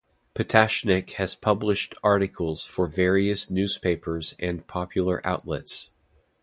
Patashnik has published articles for various newspapers and popular outlets.